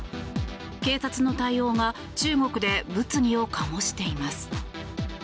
警察の対応が中国で物議を醸しています。